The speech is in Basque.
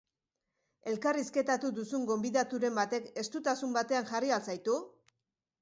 Elkarrizketatu duzun gonbidaturen batek estutasun batean jarri al zaitu?